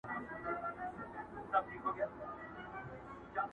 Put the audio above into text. وو حاکم خو زور یې زیات تر وزیرانو٫